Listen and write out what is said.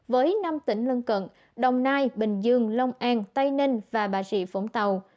với năm tỉnh lân cận đồng nai bình dương lông an tây ninh và bà rị phổng tàu